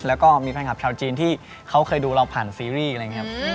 แล้วก็มีแฟนคลับชาวจีนที่เขาเคยดูเราผ่านซีรีส์อะไรอย่างนี้ครับ